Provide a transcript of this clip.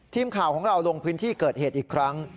ทีมข่าวของเราลงพื้นที่เกิดเหตุอีกครั้ง